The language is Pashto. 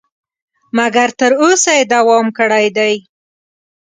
مګر تر اوسه یې دوام کړی دی.